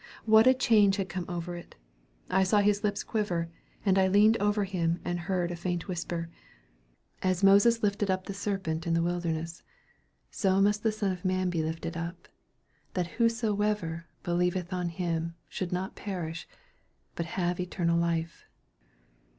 What a change had come over it. I saw his lips quiver, and I leaned over him, and heard in a faint whisper, 'As Moses lifted up the serpent in the wilderness, so must the Son of man be lifted up: that whosoever believeth on him should not perish, but have eternal life.'